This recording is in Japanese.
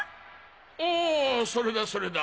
おおそれだそれだ。